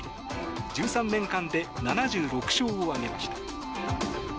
１３年間で７６勝を挙げました。